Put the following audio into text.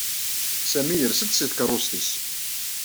Sami yers-d seg tkeṛṛust-nnes.